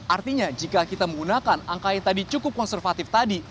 artinya jika kita menggunakan angka yang tadi cukup konservatif tadi